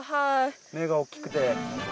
目がおっきくて。